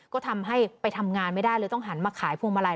ก็ทำให้ไปทำงานไม่ได้เลยต้องหันมาขายพวงมาลัย